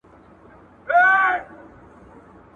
• مار د بل په لاس مه وژنه!